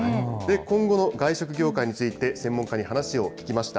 今後の外食業界について専門家に話を聞きました。